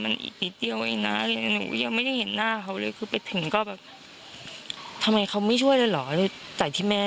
เนี่ยแม่เขาก็พูดว่าเออเนี่ย